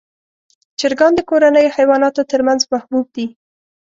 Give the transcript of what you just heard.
چرګان د کورنیو حیواناتو تر منځ محبوب دي.